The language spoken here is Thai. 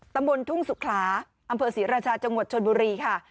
ตำบลทุ่งสุขลาอำเภอศรีราชาจังหวัดชนบุรีค่ะ